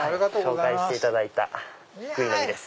紹介していただいたぐい飲み。